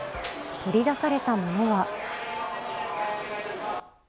取り出されたものは。